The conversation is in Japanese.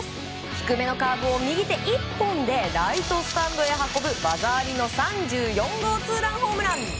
低めのカーブを右手１本でライトスタンドへ運ぶ技ありの３４号ツーランホームラン。